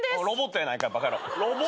ロボットやないかバカ野郎。